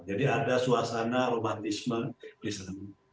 jadi ada suasana romantisme di sana